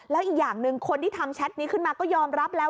แล้วอีกอย่างหนึ่งคนที่ทำแชทนี้ขึ้นมาก็ยอมรับแล้ว